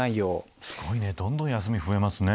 すごいねどんどん休みが増えますね。